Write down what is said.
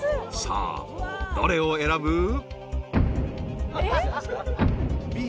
さあどれを選ぶ？］